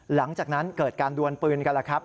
หลังจากนั้นเกิดการดวนปืนกันแล้วครับ